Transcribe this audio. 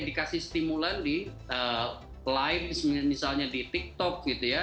dikasih stimulan di live misalnya di tiktok gitu ya